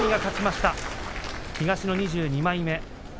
東の２２枚目。